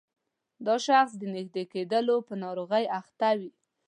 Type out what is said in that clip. دا شخص د نږدې لیدلو په ناروغۍ اخته وي.